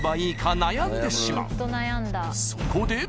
［そこで］